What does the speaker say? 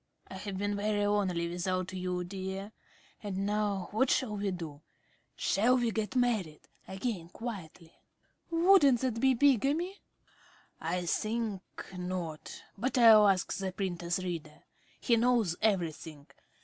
I have been very lonely without you, dear.... And now, what shall we do? Shall we get married again quietly? ~Arabella.~ Wouldn't that be bigamy? ~Smith.~ I think not, but I will ask the printer's reader. He knows everything.